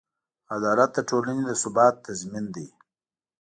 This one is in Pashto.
عدالت د ټولنې د ثبات تضمین دی.